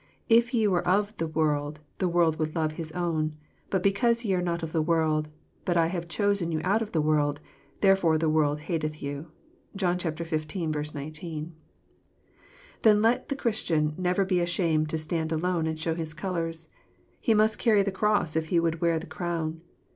—" If ye were of the world the world would love His own, but because ye are not of the world, but I have chosen you out of the world, therefore the world hatcth you." (John XY. 19.) — ^Thenlet the Christian never be ashamed to stand iilone and show his colors. He must carry the cross if he would wear the crown.